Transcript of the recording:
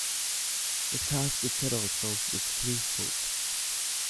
The task we set ourselves was threefold.